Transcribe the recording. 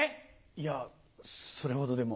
いやそれほどでも。